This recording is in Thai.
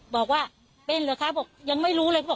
บอกว่าเป็นเหรอคะบอกยังไม่รู้เลย